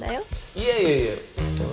いやいやいや俺は。